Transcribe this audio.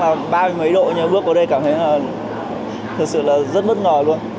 ba mươi mấy độ nhưng bước vào đây cảm thấy là thật sự là rất bất ngờ luôn